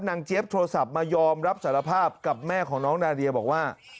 เจี๊ยบโทรศัพท์มายอมรับสารภาพกับแม่ของน้องนาเดียบอกว่า